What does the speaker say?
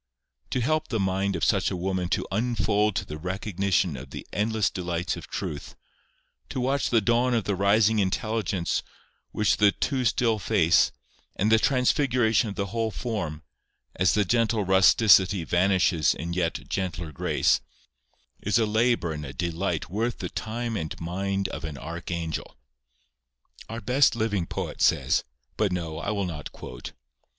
To help the mind of such a woman to unfold to the recognition of the endless delights of truth; to watch the dawn of the rising intelligence upon the too still face, and the transfiguration of the whole form, as the gentle rusticity vanishes in yet gentler grace, is a labour and a delight worth the time and mind of an archangel. Our best living poet says—but no; I will not quote.